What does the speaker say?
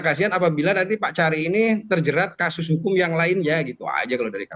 kasian apabila nanti pak cari ini terjerat kasus hukum yang lainnya gitu aja kalau dari